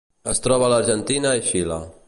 Es troba a l'Argentina i Xile.